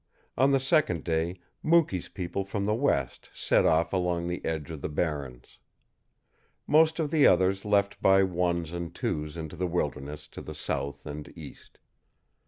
On the second day Mukee's people from the west set off along the edge of the barrens. Most of the others left by ones and twos into the wildernesses to the south and east.